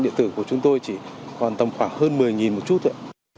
điện tử của chúng tôi chỉ còn tầm khoảng hơn một mươi một chút thôi